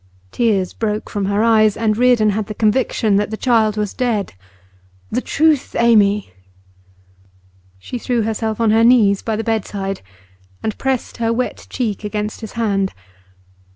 Tears broke from her eyes, and Reardon had the conviction that the child was dead. 'The truth, Amy!' She threw herself on her knees by the bedside, and pressed her wet cheek against his hand.